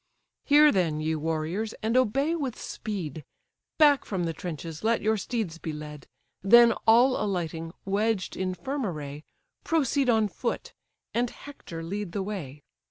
Hear then, ye warriors! and obey with speed; Back from the trenches let your steeds be led; Then all alighting, wedged in firm array, Proceed on foot, and Hector lead the way.